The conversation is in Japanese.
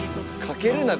かけるな！